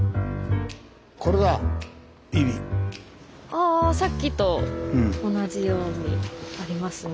ああさっきと同じようにありますね。